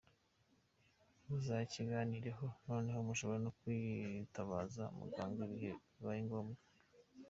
Muzakiganireho noneho mushobora no kwitabaza muganga igihe bibaye ngombwa.